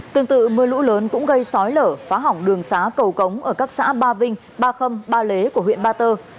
tương tự mưa lũ lớn cũng gây sói lở phá hỏng đường xá cầu cống ở các xã ba vinh ba khâm ba lế của huyện ba tơ